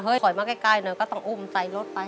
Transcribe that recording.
เฮ้ยขอยมาใกล้หน่อยก็ต้องอุ้มใจรถไป